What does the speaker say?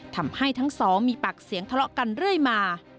ทำให้ทั้งสองมีปากเสียงทะเลาะกันเรื่อยมา